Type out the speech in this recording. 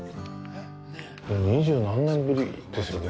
二十何年ぶりですよね。